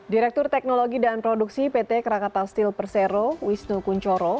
direktur teknologi dan produksi pt krakatau steel persero wisnu kunchoro